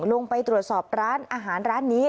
ลงไปตรวจสอบร้านอาหารร้านนี้